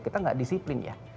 kita nggak disiplin ya